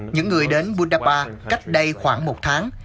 những người đến budapest cách đây khoảng một tháng